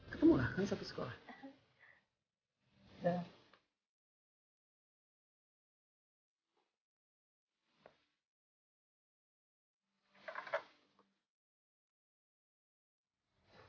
ketemu lah hari satu sekolah